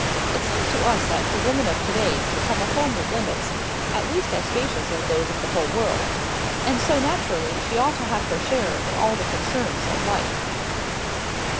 It seems to us that the woman of to day should have a home with limits at least as spacious as those of the whole world. And so naturally she ought to have her share in all the concerns of life.